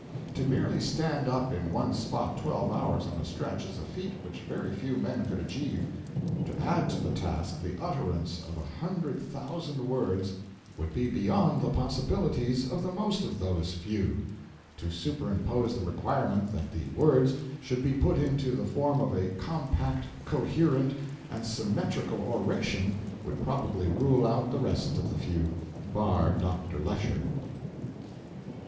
To merely stand up in one spot twelve hours on a stretch is a feat which very few men could achieve; to add to the task the utterance of a hundred thousand words would be beyond the possibilities of the most of those few; to superimpose the requirement that the words should be put into the form of a compact, coherent, and symmetrical oration would probably rule out the rest of the few, bar Dr. Lecher.